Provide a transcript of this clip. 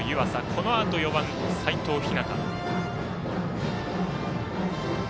このあと４番、齋藤陽。